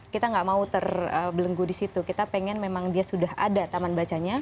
kita nggak mau terbelenggu di situ kita pengen memang dia sudah ada taman bacanya